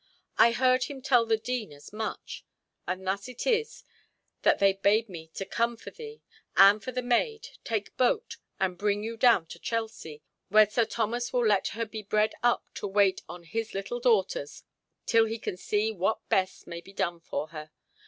I heard him tell the Dean as much, and thus it is that they bade me come for thee, and for the maid, take boat, and bring you down to Chelsea, where Sir Thomas will let her be bred up to wait on his little daughters till he can see what best may be done for her.